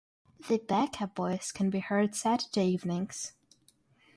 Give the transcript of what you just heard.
The Baka Boyz can be heard Saturday evenings.